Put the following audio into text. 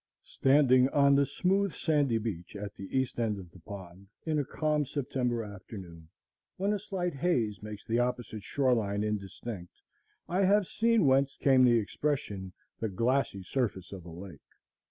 Standing on the smooth sandy beach at the east end of the pond, in a calm September afternoon, when a slight haze makes the opposite shore line indistinct, I have seen whence came the expression, "the glassy surface of a lake."